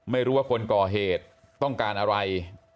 ไม่รู้ว่าคนก่อเหตุต้องการอะไร